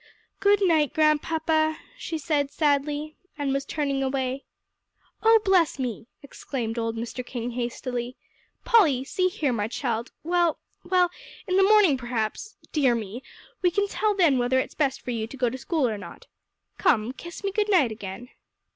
"Good night, Grandpapa," she said sadly, and was turning away. "Oh bless me!" exclaimed old Mr. King hastily, "Polly, see here, my child, well well, in the morning perhaps dear me! we can tell then whether it's best for you to go to school or not. Come, kiss me good night, again."